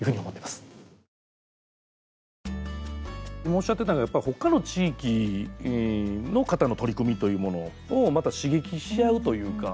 今おっしゃってたのはほかの地域の方の取り組みというものをまた刺激し合うというか